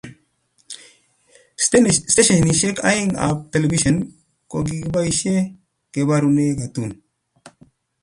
Stashenishek aeng ab telepishen kokikipaishe kebarune katun.